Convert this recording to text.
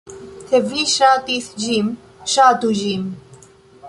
Se vi ŝatis ĝin, ŝatu ĝin!